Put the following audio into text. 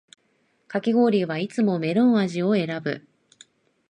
かき氷はいつもメロン味を選ぶ